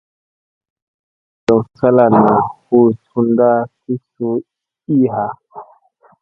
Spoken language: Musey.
Goriyoŋ salana hu sunda ki su ii ha.